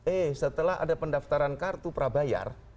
eh setelah ada pendaftaran kartu prabayar